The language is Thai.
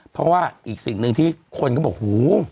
เพราะว่าอีกสิ่งหนึ่งที่คนก็บอกหู